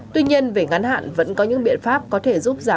tuy nhiên về ngắn hạn vẫn có những biện pháp có thể giúp giảm nguy hiểm